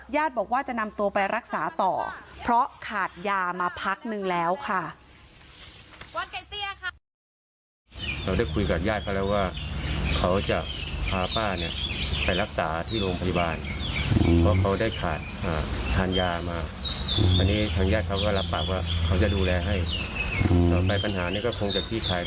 บอกว่าจะนำตัวไปรักษาต่อเพราะขาดยามาพักนึงแล้วค่ะ